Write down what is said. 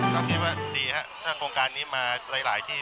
คงเรียกว่าดีนะครับถ้าโครงการนี้มาหลายที่